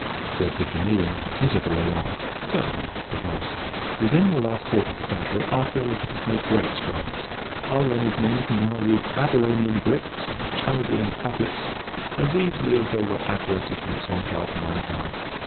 said the Jinnee, in visible alarm. "Certainly," said Horace. "Within the last quarter of a century archæology has made great strides. Our learned men can now read Babylonian bricks and Chaldean tablets as easily as if they were advertisements on galvanised iron.